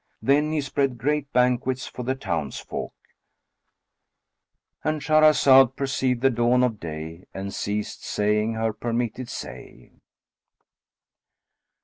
Then he spread great banquets for the towns folk,—And Shahrazad perceived the dawn of day and ceased saying her permitted say.